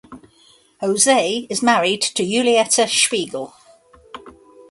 Jose is married to Julieta Spiegel.